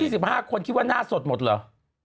ประสิทธิภาคคนคิดว่าหน้าสดหมดหรือ